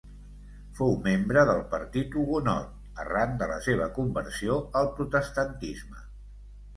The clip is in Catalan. Fou membre del partit hugonot arran de la seva conversió al protestantisme.